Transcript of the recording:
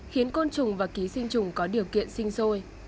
khiến côn trùng và ký sinh trùng có điều kiện sinh sôi